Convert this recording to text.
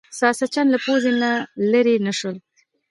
ساسچن له پوزې نه لرې نه شول.